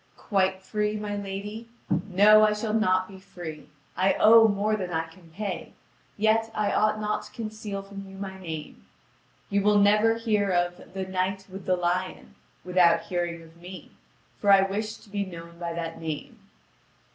"Quite free, my lady? No, I shall not be free. I owe more than I can pay. Yet, I ought not to conceal from you my name. You will never hear of 'The Knight with the Lion' without hearing of me; for I wish to be known by that name."